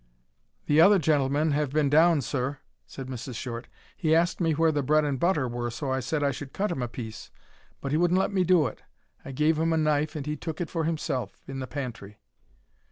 "The other gentleman have been down, Sir," said Mrs. Short. "He asked me where the bread and butter were, so I said should I cut him a piece. But he wouldn't let me do it. I gave him a knife and he took it for himself, in the pantry."